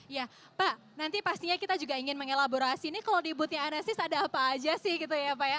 ya pak nanti pastinya kita juga ingin mengelaborasi nih kalau di boothnya anesis ada apa aja sih gitu ya pak ya